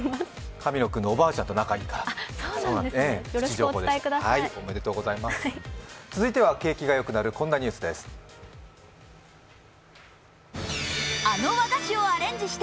神野君のおばあちゃんと仲いいから、プチ情報でした。